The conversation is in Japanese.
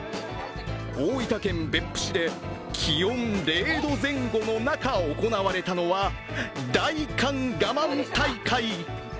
大分県別府市で気温０度前後の中行われたのは大寒がまん大会。